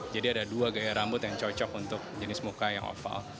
jadi ada dua gaya rambut yang cocok untuk jenis muka yang oval